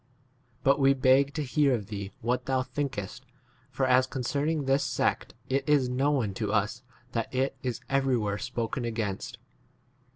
But we beg h to hear of thee what thou thinkest, for as concerning this sect it is known to us that it is 23 everywhere spoken against.